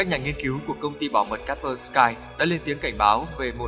cảnh báo số